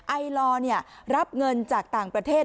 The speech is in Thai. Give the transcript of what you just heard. ไอลอร์รับเงินจากต่างประเทศ